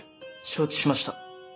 承知しました。